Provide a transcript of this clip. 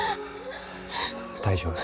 大丈夫。